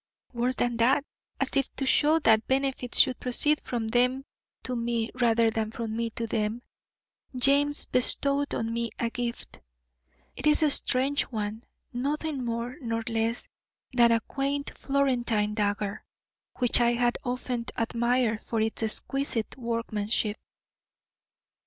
Worse than that. As if to show that benefits should proceed from them to me rather than from me to them, James bestowed on me a gift. It is a strange one, nothing more nor less than a quaint Florentine dagger which I had often admired for its exquisite workmanship.